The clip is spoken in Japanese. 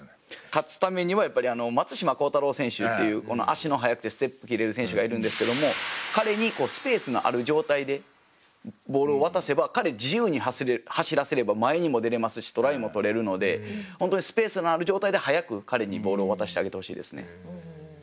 勝つためにはやっぱり松島幸太朗選手っていう足の速くてステップ切れる選手がいるんですけども彼にスペースのある状態でボールを渡せば彼自由に走らせれば前にも出れますしトライも取れるので本当にスペースのある状態で早く彼にボールを渡してあげてほしいですね。